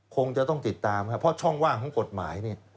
คงจะต้องติดตามครับเพราะช่องว่างของกฎหมายเนี่ย